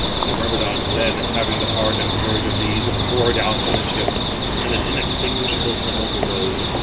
The Myrmidons then, having the heart and courage of these, poured out from the ships, and an inextinguishable tumult arose.